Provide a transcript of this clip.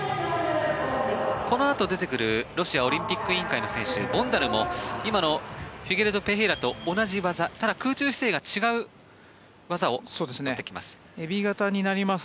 このあと出てくるロシアオリンピック委員会のボンダルも今のフィゲレド・ペヘイラと同じ技ただ、空中姿勢が違う技を持ってきます。